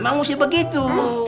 memang mesti begitu